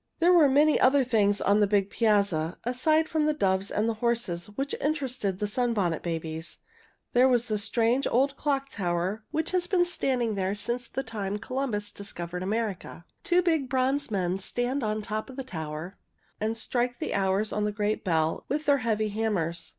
There were many other things on the big piazza, aside from the doves and the horses, which interested the Sunbonnet Babies. There was a strange old Clock Tower which has been standing there since the time Columbus discovered America. Two big bronze men stand on top of the tower and strike the hours on a great bell with their heavy hammers.